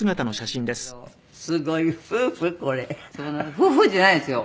夫婦じゃないですよ。